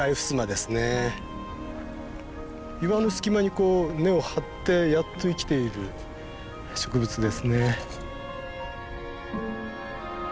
岩の隙間にこう根を張ってやっと生きている植物ですね。